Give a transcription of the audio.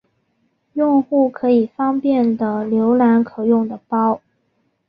用户可以方便的浏览可用的包。